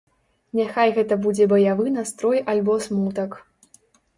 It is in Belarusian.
Няхай гэта будзе баявы настрой альбо смутак.